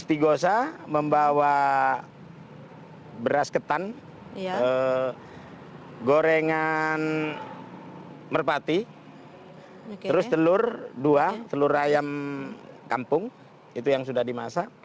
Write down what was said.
istigosa membawa beras ketan gorengan merpati terus telur dua telur ayam kampung itu yang sudah dimasak